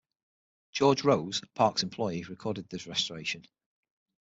George Rose, a parks employee recorded this restoration.